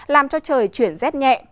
làm cho trời chuyển rét nhẹ